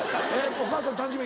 お母さんの誕生日